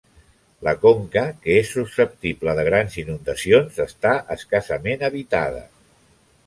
La conca, que és susceptible de grans inundacions, està escassament habitada.